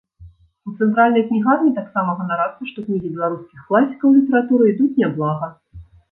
У цэнтральнай кнігарні таксама ганарацца, што кнігі беларускіх класікаў літаратуры ідуць няблага.